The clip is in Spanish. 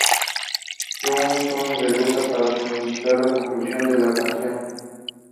Young Thug regresa para suministrar la conclusión de la canción.